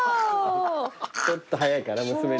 ちょっと早いかな娘には。